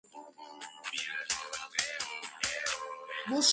ქართულად ნათარგმნია მისი „ხასიათები“.